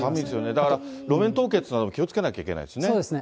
だから路面凍結などに気をつけなきゃいけないですね。